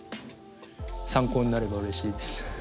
参考になればうれしいです。